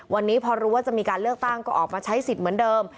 วันนี้พอรู้ว่าจะมีการเลือกตั้งก็ออกมาใช้สิทธิ์เหมือนเดิม